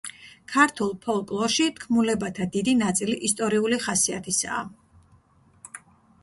ქართულ ფოლკლორში თქმულებათა დიდი ნაწილი ისტორიული ხასიათისაა.